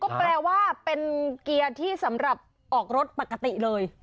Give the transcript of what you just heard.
ก็แปลว่าเป็นเกียร์ที่สำหรับออกรถปกติเลย